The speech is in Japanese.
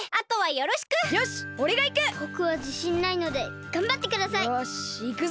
よしいくぞ！